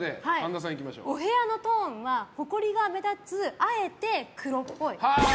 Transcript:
お部屋のトーンはほこりが目立つあえて黒っぽい。